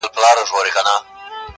یو څه یاران یو څه غونچې ووینو-